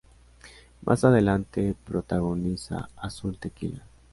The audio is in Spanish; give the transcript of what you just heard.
Más adelante protagoniza "Azul tequila".